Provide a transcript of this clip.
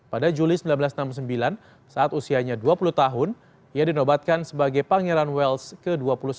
pada juli seribu sembilan ratus enam puluh sembilan saat usianya dua puluh tahun ia dinobatkan sebagai pangeran wells ke dua puluh satu